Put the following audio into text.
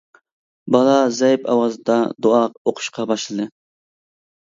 بالا زەئىپ ئاۋازدا دۇئا ئوقۇشقا باشلىدى.